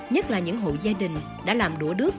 nhất là những hộ gia đình đã làm đũa đứt